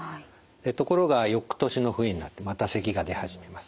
ところがよくとしの冬になってまたせきが出始めます。